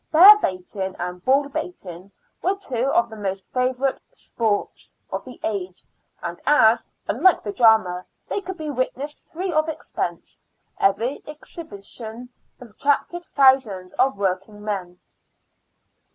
Bear baiting and bull baiting were two of the most favourite " sports " of the age, and as, unlike the drama, they could be witnessed free of expense, every exhibition attracted thousands of working men.